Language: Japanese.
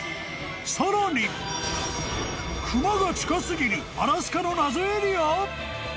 更に、クマが近すぎるアラスカの謎エリア？